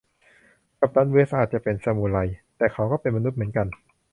กัปตันเวสท์อาจจะเป็นซามูไร แต่เขาก็เป็นมนุษย์เหมือนกัน